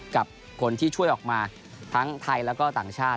กับคนที่ช่วยออกมาทั้งไทยแล้วก็ต่างชาติ